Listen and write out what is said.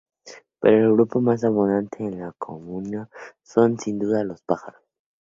Pero el grupo más abundante en la Comuna son, sin duda, los pájaros.